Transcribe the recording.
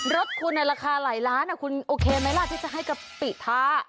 รถคุณในราคาหลายล้านคุณโอเคไหมล่ะที่จะให้กะปิท้า